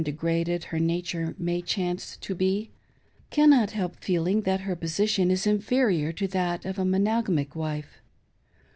507 degraded her nature may chance to be ; cannot help feeling that her position is inferior to that of a monogamic wife.